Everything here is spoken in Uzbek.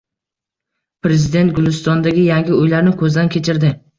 Prezident Gulistondagi yangi uylarni ko‘zdan kechirdi